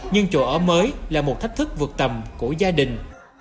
nhưng chỗ ở mới là một thách thức vượt tầm của gia đình